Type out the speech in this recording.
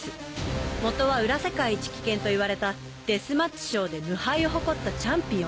元は裏世界一危険といわれたデスマッチショーで無敗を誇ったチャンピオン。